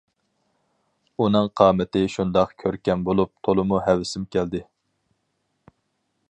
ئۇنىڭ قامىتى شۇنداق كۆركەم بولۇپ تولىمۇ ھەۋىسىم كەلدى.